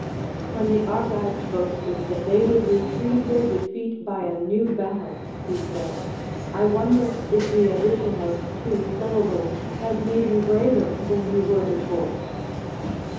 AVhen the Argives boasted that they would retrieve then' defeat by a new battle, he said, I wonder if the addition of two syllables * has made you braver than you were before.